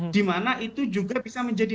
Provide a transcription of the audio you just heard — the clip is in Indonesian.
dimana itu juga bisa menjadi